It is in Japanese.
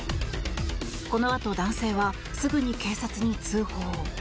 このあと男性はすぐに警察に通報。